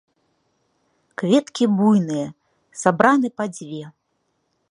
Кветкі буйныя, сабраны па дзве.